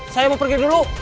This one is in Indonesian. saya mau pergi dulu